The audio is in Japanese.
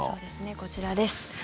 こちらです。